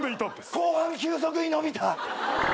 後半急速にのびた！